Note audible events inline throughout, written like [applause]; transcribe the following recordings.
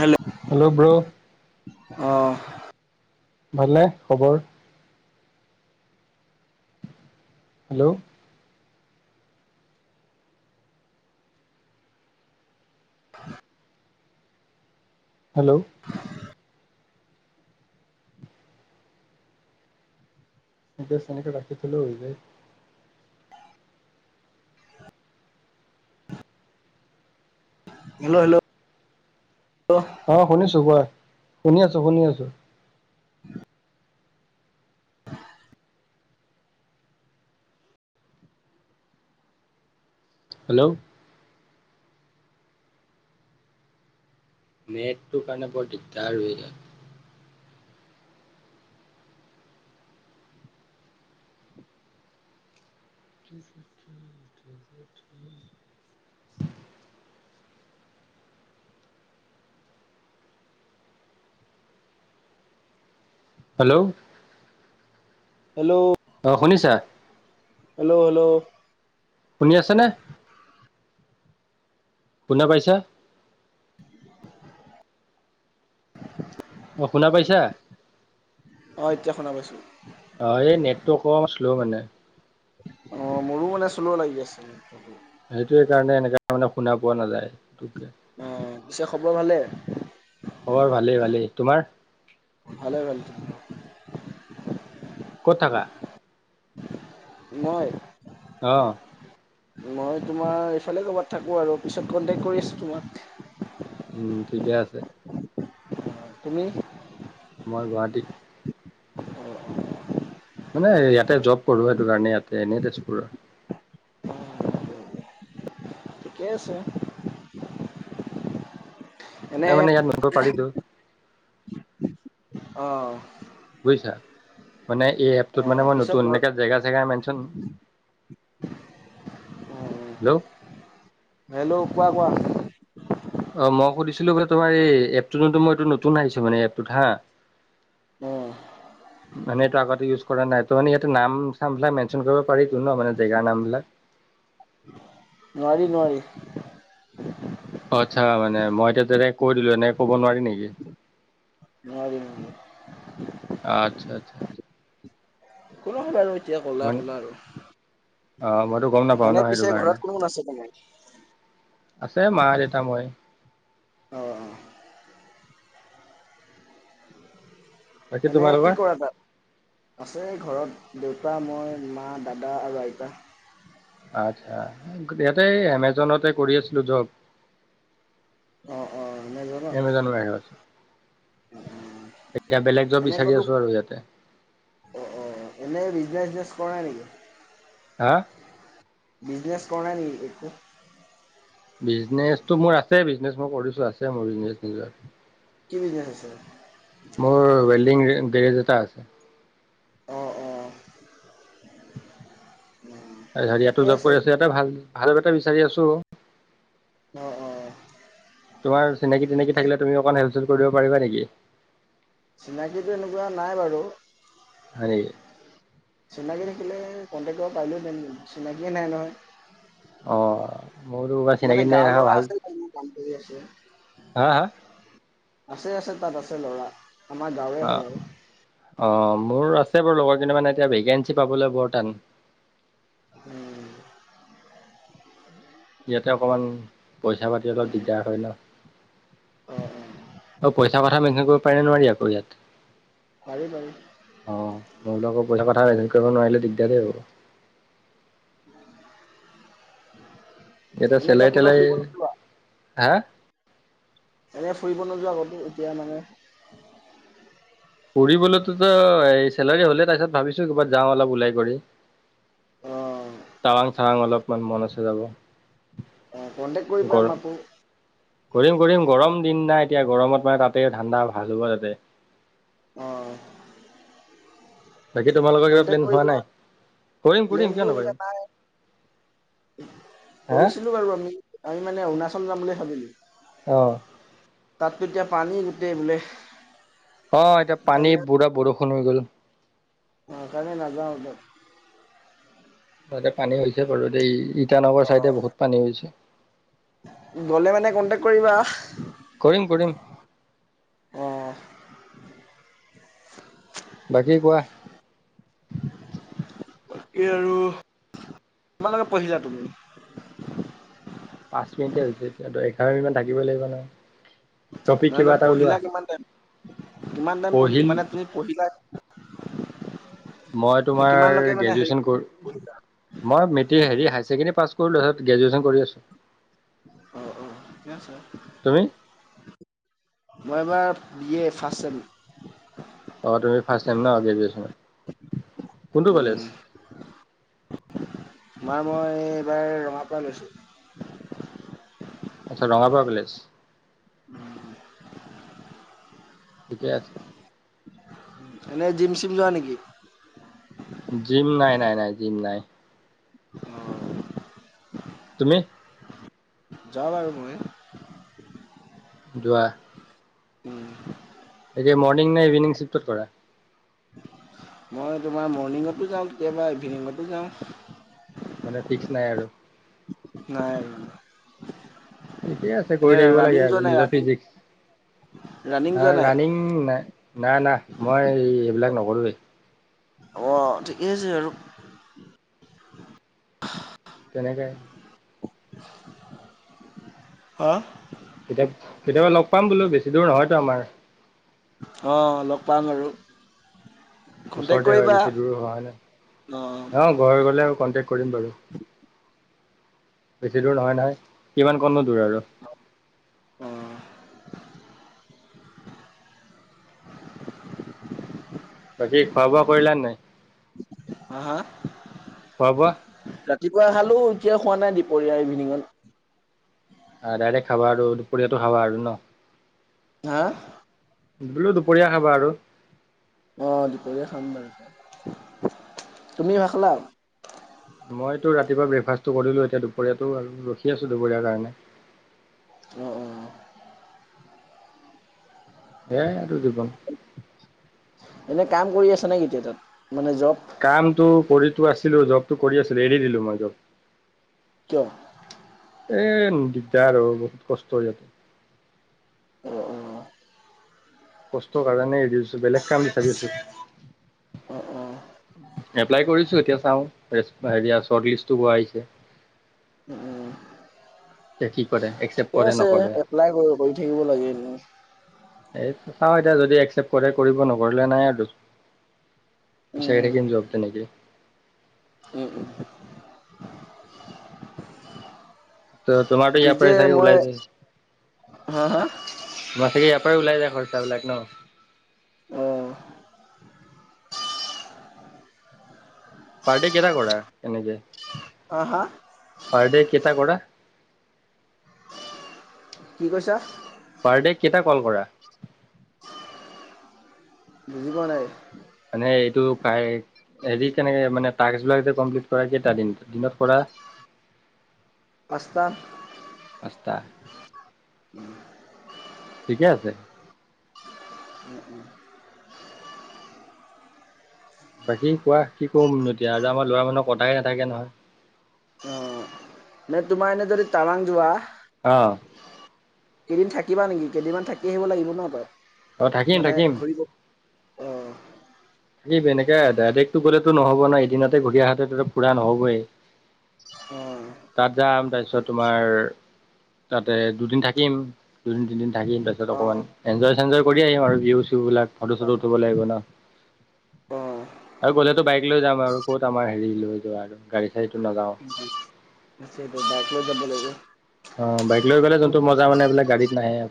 Hello hello bro'- অ' ভাল নে খবৰ। হেল্ল' [inaudible] হেল্ল' বাচ তেনেকে ৰাখি থ'লে হৈ যায়। হেল্ল হেল্ল অ শুনিছো কোৱা শুনি আছো শুনি আছো। হেল্ল' নেটটোৰ কাৰণে বৰ দিকডাৰ হৈ যায়। [inaudible] হেল্ল' হেল্ল' আহ শুনিছা। হেল্ল' হেল্ল' শুনি আছে নে শুনা পাইছা। আ অ এতিয়া শুনা পাইছোঁ। অ এই নেটটো অকনমান‌ শ্ল' মানে। অ মোৰো মানে শ্ল লাগি আছিল। সেইটোৱে কাৰণে এনেকাে মানে শুনা পোৱা নাযায় সেইটোৱে। অ' পিছে খবৰ ভালে- খবৰ ভালেই ভালেই তোমাৰ- ভালে ভেলটো ক'ত থাকা? মই - অহ' মই তোমাৰ এইফালে ক'ৰবাত থাকোঁ আৰু, পিছত কণ্টেক্ট কৰি আছোঁ তোমাক। উম ঠিকে আছে। তুমি? মই গুৱাহাটীত। অ' মানে ইয়াতে জব কৰো সেইটো কাৰণে ইয়াতে, এনেই তেজপুৰৰ। অ' ঠিকে আছে। এনে ত মানে ইয়াত মনিব পাৰিতো অহ' বুজিছা। মানে এই এপটোত মানে অ' মই পিছত নতুন, ঘৰ এনেকা জেগা চেগা মেচন উম' হেল্ল কোৱা কোৱা? অ মই সুধিছিলো বোলে তোমাৰ, এই এপটো যোনটো মই এইটোত নতুন আহিছো মানে এপটোত হা উম' মানে এইটো আগতে ইউজ কৰা নাই, ত মানে ইয়াতে নাম চামবিলাক মেনশ্যন কৰিব পাৰিটো ন, মানে জেগাৰ নামবিলাক? উ [unintelligible] নোৱাৰি নোৱাৰি। অ আচ্ছা মানে, মই এতিয়া যেনেকে কৈ দিলো এনেকে ক'ব নোৱাৰি নেকি? নোৱাৰি নোৱাৰি। আচ্ছা আচ্ছা আচছা। একো নহয় বাৰু এতিয়া ক'লা ক'লা আৰু। অ মইতো গম নাপাও মানে ন সেইটো পিছে কাৰণে ঘৰত কোন কোন আছে তোমাৰ? আছে মা, দেউতা, মই। অ' বাকী এনে কি তোমালোকৰ কৰা তাত? আছে ঘৰত দেউতা, মই, মা, দাদা আৰু আইতা। আচ্ছা, ইয়াতে এমেজনতে কৰি আছিলো জব। অ', অ', এমেজনত এমেজনৰ ৰাইনত। এতিয়া বেলেগ জব এনে বিচাৰি ক'তো আছো আৰু ইয়াতে। অ অ' এনে বিজনেচ-চিজনেচ কৰা নাই নেকি? হা বিজনেছ কৰা নাই নেকি? বিজনেছটো মোৰ আছে, বিজনেচ মই কৰিছো আছে মোৰ বিজনেছ নিজৰ। কি বিজনেছ আছে? মোৰ ৱেলডিং গেৰেজ এটা আছে। অ অ' হেৰিয়াতো ঠিকে জব আছে। কৰি আছো, ইয়াটো ভাল ভাল এটা বিচাৰি আছো। অ অ' তোমাৰ চিনাকি তিনাকি থাকিলে তুমিও অকণমান হেল্প চেল্প কৰিব পাৰিবা নেকি? চিনাকিতো এনেকুৱা নাই বাৰু। হয়নি। তোলৈ কণ্টেক্ট কৰিব পাৰিলো হেঁতেন, চিনাকিয়েই নাই নহয়। অ মোৰোবা চিনাকি তিনাকি নাই, ভাল। ঠিক আছে। হা হা আছে-আছে তাত আছে ল'ৰা। আমাৰ গাঁৱৰে অ' হয় বাৰু। অ মোৰ আছে বাৰু লগৰ মানে এতিয়া ভেকেঞ্চি পাবলৈ বৰ টান। উম ইয়াতে অকমান, পইচা পাতি অলপ উম, উম, দিগদাৰ হয় ন। অ', অ', আৰু পইচা কথা মেনচন কৰিব পাৰিনে নোৱাৰি আকৌ ইয়াত পাৰি পাৰি। অ মই বোলো আক পইচা কথা কৰিব নোৱাৰিলে দিগদাৰেই হ'ব ইয়াতে মানে এতিয়া চেলাৰী ক'তো তেলাৰী ফুৰিব নোযোৱা হা এনে ফুৰিব নোযোৱা কতো এতিয়া মানে ফুৰিবলৈতোতো এই চেলাৰী হ'লে তাৰপিছত ভাবিছো কৰবাত যাওঁ অলপ ওলাই কৰি অ টাৱাং চাৱাং অলপমান মন আছে যাব অ', কণ্টেক্ট কৰিবা গৰম মাকো কৰিম কৰিম গৰম দিন নাই এতিয়া গৰমত মানে তাতে ঠাণ্ডা ভাল হ'ব তাতে অ বাকী তোমালোকৰ কিবা কণ্টেক প্লেন হোৱা কৰিবা নাই? কৰিম কৰিম কিয় প্লেনটো এনেকে নকৰিম নাই। হা কৰিছিলো বাৰু আমি আমি মানে অৰুণাচল যাম বুলি ভাবিলো অ তাতো এতিয়া পানী গোটেই বোলে। অ এতিয়া পানী বুঢ়া বৰষুণ হৈ গ'ল। সেইকাৰণে নাজওঁ তাত তাতে পানী হৈছে বাৰু এ ইটানগৰ চাইডে বহুত পানী হৈছে। গলে মানে কনটেক কৰিবা। কৰিম কৰিম অ', বাকী কোৱা বাকী আৰু কিমান লৈকে পঢ়িলা তুমি পাঁচ মিনিটে হৈছে এতিয়া এঘাৰ মিনিটমান থাকিবই লাগিব নহয়। টপিক নহয় কিবা নহয় এটা পঢ়িলা ওলোৱা কিমান টাইম কিমান টাইম পঢ়ি পঢ়িল মানে তুমি পঢ়িলা মই মানে তোমাৰে কিমানলৈকে মানে হেৰি গ্ৰেজুৱেচন ক মই মে হায়াৰ ছেকেণ্ডৰি পাছ কৰিলোঁ গ্ৰেজুৱেচন কৰি আছো অ অ ঠিকেই আছে তুমি? মই এবাৰ বি এ ফাৰ্ষ্ট ছেম অ তুমি ফাৰ্ষ্ট ছেম ন গ্ৰেজুৱেচনৰ কোনটো কলেজ [inaudible] তোমাৰ মই এইবাৰ ৰঙা পৰা গৈছো। আচ্ছা ৰঙাপাৰা কলেজ ঠিকে আছে এনেই জিম চিম যোৱা নেকি। জিম নাই নাই নাই জিম নাই অ তুমি যাম আৰু মই যোৱা উম যে মৰ্ণিং নে ইভিনিং চিফ্টত কৰা মই তোমাৰ মৰ্ণিংতো যাওঁ কেতিয়াবা ইভিনিংতো যাওঁ মানে ফিক্স নাই আৰু নাই ঠিকেই আছে এনে কৰি থাকিব লাগে ৰানিং যোৱা আৰু নাই নিজৰ ৰানিং ৰানিং ফিজিক্স যোৱা নাই ৰানিং না না মই এইবিলাক নকৰোঁৱেই অ ঠিকেই আছে আৰু তেনেকে হা কেতিয়া কেতিয়াবা লগ পাম বোলো বেছি দূৰ নহয়তো আমাৰ। অঁ লগ পাম আৰু। কন্টেক ওচৰতে হয় কৰিবা বেছি দূৰো হয় হয় ন অ ঘৰ গলে কণ্টেক্ট কৰিম বাৰু। বেছি দূৰ নহয় নহয় কিমান কোন নো দূৰ আৰু। অ' বাকী খোৱা বোৱা কৰিলা নাই? হা হা? খোৱা বোৱা? ৰাতিপুৱা খালো এতিয়া খোৱা নাই দুপৰীয়া ইভিনিঙত। আহ ডাইৰেক্ট খাবা আৰু দুপৰীয়াতো খাবা আৰু ন হা বোলো দুপৰীয়া খাবা আৰু অ দুপৰীয়া খাম বাৰু তুমি ভাত খালা মইতো ৰাতিপুৱা ব্ৰেকফাষ্টটো কৰিলো এতিয়া দুপৰীয়াতটো ৰখি আছো দুপৰীয়াৰ কাৰণে উ উ এয়াই আৰু জীৱন এনেই কাম কৰি আছা নেকতিয়া তাত মানে জব কামটো কৰিতো আছিলো জবটো কৰি আছিলো এৰি দিলো মই জব কিয়। এ দিগদাৰ আৰু বহুত কষ্ট হৈ যাব। উ উম। কষ্টৰ কাৰণে এৰিছো বেলেগ কাম বিচাৰি আছো। অ' অ' এপ্লাই কৰিছো এতিয়া। চাওঁ হেয়া শৰ্ট লিষ্টটো আহিছে। উম উম। এ কি কৰে একচেপ্ট ঠিকে কৰে আছে নকৰে? এপ্লাই কৰি কৰি থাকিব লাগে এনেই [inaudible] এই চাওঁ এতিয়া যদি একচেপ্ট কৰে কৰিব নকৰিলে নাই আৰু। উম পছাকম জোৱাব তে নেকি? উম উম [unintelligible] তোমাৰটো ইয়াৰ পিছে পাৰাই চাগে মই ওলাই যায়? হা হা [unintelligible] ম চে ওলাই যায় খৰচা বিলাক ন? আহ। [unintelligible] পাৰ ডে কেইটা কৰা এনেকে? হা হা পাৰ ডে কইটা কৰা? কি কৈছা? পাৰ ডে কেইটা কল কৰা? বুজি পোৱা নাই। হৰি তেনেকে মানে টাস্ক বিলাক যে কমপ্লিট কৰা কেইটা দিনত কৰা? পাঁচটা। পাঁচটা। [unintelligible] ঠিকে আছে। এ [unintelligible] বাকী কোৱা কি কম এতিয়া আৰু আমাৰ লৰা মানুহৰ কথাই নাথাকে নহয়। অ মানে তোমাৰ এনে যদি টাৱাং যোৱা আহ। কেইদিন থাকিবা নেকি? কেইদিনমান থাকি আহিব লাগিব ন তই? অ থাকিম থাকিম। অ থাকিব এনেকে ডাইৰেক্টটো গ'লেতো নহব ন এদিনতে ঘূৰি অহাটো ফুৰা নহবই। অ। তাত যাম তাৰপিছত তোমাৰ তাতে দুদিন থাকিম দুদিন তিনদিন থাকিম তাৰিছত অ অকনমান এন্জয় চেঞ্জয় কৰি আহিম আৰু বিহু, চ বলাক ফটো চটো উঠব লাগিব। ন অ আৰু গ'লেতো বাইক লৈ যাম আৰু ক'ত আমাৰ হেৰি লৈ যোৱা আৰু গাড়ী- চাড়ীটো নাযাওঁ [unintelligible] অ বাইক লৈ গ'লে যোনটো মজা মানে বোলে গাড়ীত নাই। অ ই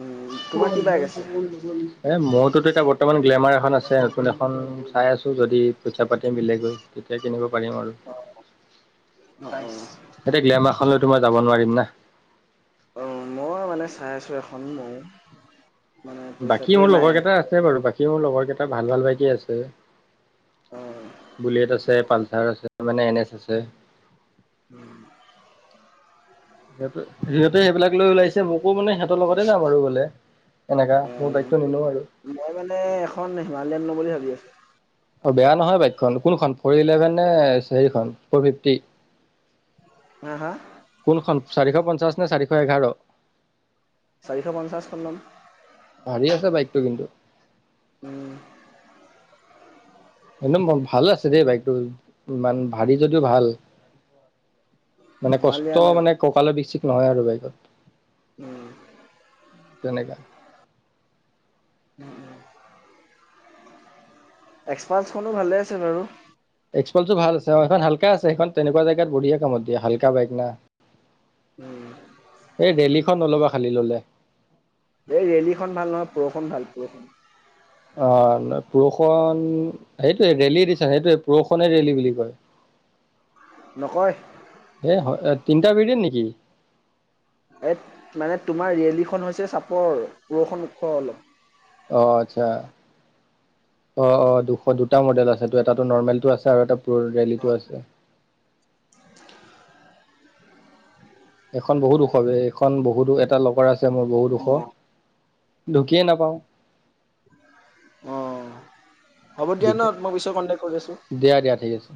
উম তোমাৰ কম কি বাইক আছে নগল- এই মোৰতোতো এতিয়া বৰ্তমান গ্লেমাৰ এখন আছে নতুন এখন চাই আছোঁ যদি পইচা পাতি মিলেগৈ তেতিয়া কিনিম- আৰু অ অ এয়া গ্লেমাৰ খনত- যাব নোৱাৰিম না মই মানে চাই আছোঁ এখন মৌ- বাকী মোৰ লগৰ কেইটা আছে বাৰু বাকী মোৰ লগৰ কেইটা ভাল ভাল বাইকি আছে। অ বুলেট আছে পালচাৰ আছে মানে এন এছ আছে। [unintelligible] সিহঁতে সেইবিলাক লৈ ওলাইছে মোকো মানে সিহঁতৰ লগতে যাম আৰু বোলে। এনেকা মোৰ বাইকটো অ নিনো আৰু। মই মানে এখন হিমালয়ান ল'ম বুলি ভাবি আছো অ বেয়া নহয় বাইকখন কোনখন ফৰ ইলেভেন নে সেইখন ফৰ ফিফটি? হা হা কোনখন চাৰিশ পঞ্চাছ নে চাৰিশ এঘাৰ? চাৰিশ পঞ্চাছখন লম। টো কিন্তু। উম। এদ ভাল আছে দেই বাইকটো ইমান ভাৰী যদিও ভাল। মানে কষ্ট হিমালয়ান আৰু মানে ককালে বিশিকে নহয় আৰু বাইকত- উম তেনেকে এক্সপালখনো ভালে আছে। বাৰু এক্সপালছো ভাল আ অ এখন হাল্কা আছে সখন তেনেকোৱা জেগাত বঢ়িয়া কামত দিয়া হাল্কা বাইক না। উম এই দেলহিখন নলবা খালী ললে। এই ৰেলীখন ভাল নহয় পৰষুণ ভাল পৰষুণ, অ ন পুৰুষন- উম সেইটোে ৰেলি দিছা সেইটে পৰষণে ৰেলী বুলি কয়। নকয় এ তিনিটা বিৰিট নেকি? এ মানে তোমাৰ ৰিয়েলিখন হৈছে চাপৰ পৰষুণ ওখ অলপ- অহ আচ্ছা। অ অ দুশ দুটা মডেল আছে এটো নৰ্মেলটো আছে আৰু এটাটো আছে- এখন বহুত ওখ এইখন বহুত এটা লৰ আছে মোৰ বহুত অ ওখ- ঢুকিয়ে নাপাওঁ- অ হ'ব দিয়া ন দিগদাৰ মই পিছত কন্টেক কৰি আছো দিয়া দিয়া ঠিক আছে